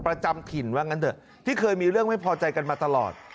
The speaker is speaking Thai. ถิ่นว่างั้นเถอะที่เคยมีเรื่องไม่พอใจกันมาตลอด